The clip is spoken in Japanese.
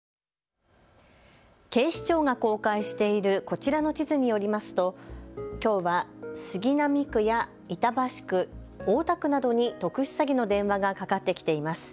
警視庁が公開しているこちらの地図によりますときょうは杉並区や板橋区、大田区などに特殊詐欺の電話がかかってきています。